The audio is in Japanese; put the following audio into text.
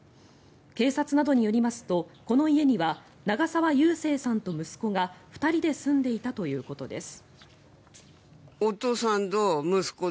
警察などによりますとこの家には長沢勇正さんと息子が２人で住んでいたということです。